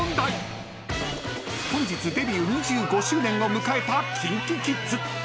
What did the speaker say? ［本日デビュー２５周年を迎えたＫｉｎＫｉＫｉｄｓ］